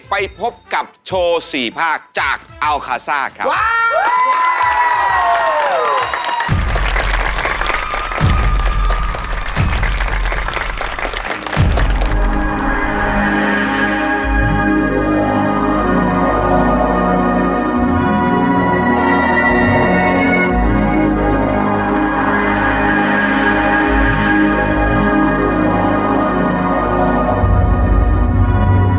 ไปพบกับโชว์๔ภาคจากอัลคาซ่าครับ